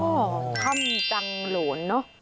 โอนท่ำจังหลวนเนอะ